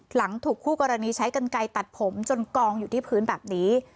หลังถูกคู่กรณีใช้กันไกลตัดผมจนกองอยู่ที่พื้นแบบนี้